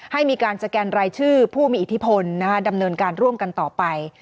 ให้มีการสแกนรายชื่อผู้มีอิทธิพลดำเนินการร่วมกันต่อไป